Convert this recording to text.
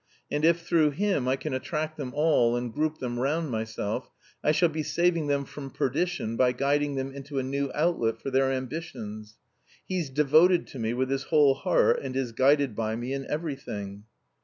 And if through him I can attract them all and group them round myself, I shall be saving them from perdition by guiding them into a new outlet for their ambitions. He's devoted to me with his whole heart and is guided by me in everything."